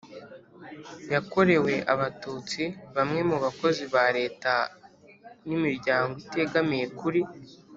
yakorewe Abatutsi bamwe mu bakozi ba Leta n imiryango itegamiye kuri